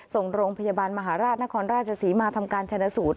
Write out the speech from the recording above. ส่งโรงพยาบาลมหาราชนครราชศรีมาทำการชนะสูตร